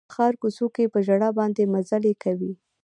د ښار کوڅو کې په ژړا باندې مزلې کوي